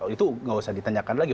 itu nggak usah ditanyakan lagi